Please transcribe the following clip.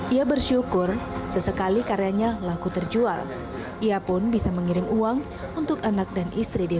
ia bersyukur sesekali karyanya laku terjual ia pun bisa mengirim uang untuk anak dan istri di